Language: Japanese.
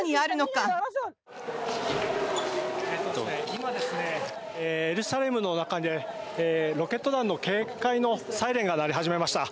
今、エルサレムの中でロケット弾の警戒のサイレンが鳴り始めました。